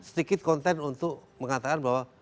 sedikit konten untuk mengatakan bahwa